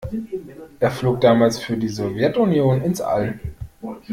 Er flog damals für die Sowjetunion ins All.